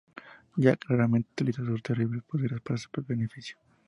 Jack raramente utiliza sus terribles poderes para su propio beneficio.